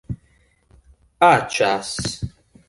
aĉas